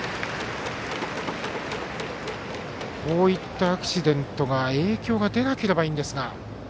こういったアクシデントで影響が出なければいいんですが。